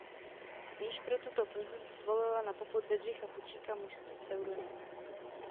Již pro tuto knihu si zvolila na popud Bedřicha Fučíka mužský pseudonym.